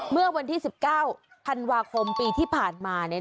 เมื่อวันที่๑๙ธันวาคมปีที่ผ่านมา